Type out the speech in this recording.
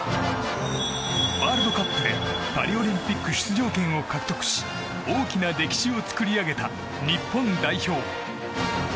ワールドカップでパリオリンピック出場権を獲得し大きな歴史を作り上げた日本代表。